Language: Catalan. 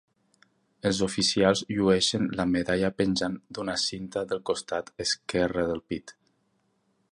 Els Oficials llueixen la medalla penjant d'una cinta del costat esquerre del pit.